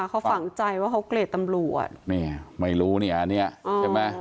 เขาฝังใจว่าเขาเกลียดตำรวจเนี่ยไม่รู้เนี่ยอันนี้ใช่ไหม